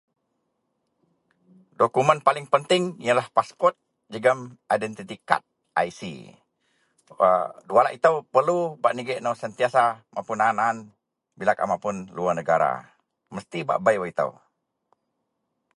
Dukumen paling penting iyenlah paspot jegem identiti kad, IC , dua alak ito perlu bak nigek nou sentiasa mupuon aan-aan bila kaau mapun luwar negara, mesti bei wak ito.